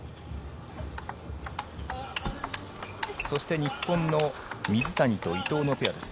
そして、日本の水谷と伊藤のペアです。